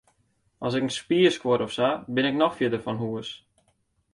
As ik in spier skuor of sa, bin ik noch fierder fan hûs.